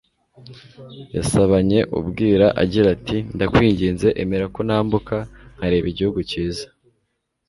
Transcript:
Yasabanye ubwira agira ati :« Ndakwinginze emera ko nambuka nkareba igihugu cyiza